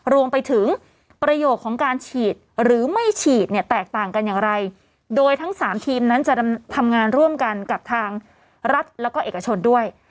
รวมไปถึงประโยคของการฉีดหรือไม่ฉีดเนี่ยแตกต่างกันอย่างไรโดยทั้งสามทีมนั้นจะทำงานร่วมกันกับทางรัฐแล้วก็เอกชนด้วย